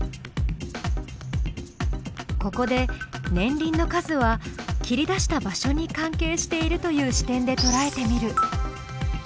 ここで「年輪の数」は「切り出した場所」に関係しているという視点でとらえてみる。